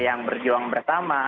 yang berjuang bersama